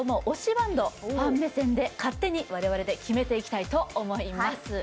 バンドをファン目線で勝手に我々で決めていきたいと思います